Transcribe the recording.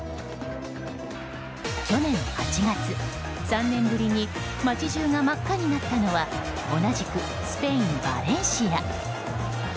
去年９月、３年ぶりに街中が真っ赤になったのは同じくスペイン・バレンシア。